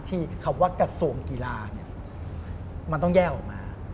คำว่ากระทรวงกีฬามันต้องแยกออกมา